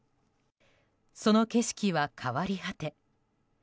その景色は変わり果て。